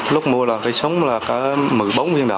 lúc mua là cây súng là một mươi bốn viên đỏ